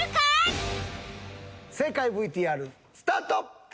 正解ＶＴＲスタート。